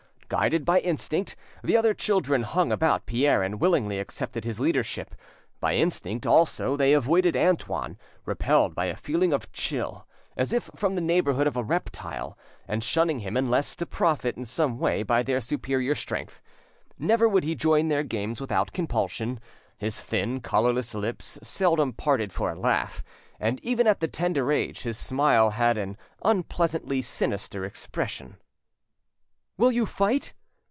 Guided by instinct, the other children hung about Pierre and willingly accepted his leadership; by instinct also they avoided Antoine, repelled by a feeling of chill, as if from the neighbourhood of a reptile, and shunning him unless to profit in some way by their superior strength. Never would he join their games without compulsion; his thin, colourless lips seldom parted for a laugh, and even at that tender age his smile had an unpleasantly sinister expression. "Will you fight?"